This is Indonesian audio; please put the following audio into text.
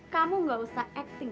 kamu gak usah acting